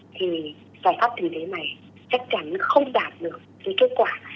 thì giải pháp tình thế này chắc chắn không đạt được cái kết quả